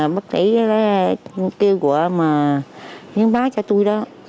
bác sĩ kêu của những bác cho tôi đó